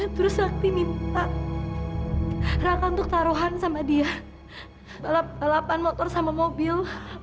terus waktu minta gerakan untuk taruhan sama dia balapan motor sama mobil